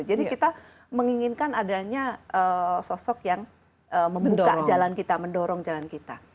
jadi kita menginginkan adanya sosok yang membuka jalan kita mendorong jalan kita